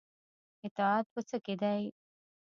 اطاعت په څه کې دی؟